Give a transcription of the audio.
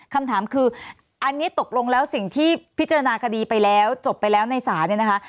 คำถามคืออันนี้ตกลงแล้วสิ่งที่พิจารณาคดีไปแล้วจบไปแล้วในศาลเนี่ยนะคะ